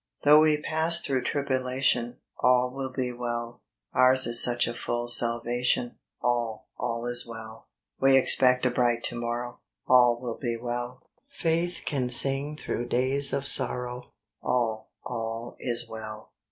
HP HOUGH we pass through tribulation, ^ All will be well: Ours is such a full salvation, All, all is well. We expect a bright to morrow, All will be well: Faith can sing through days of sorrow, All, all is well.